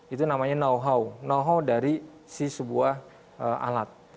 itu namanya know how know how dari sebuah alat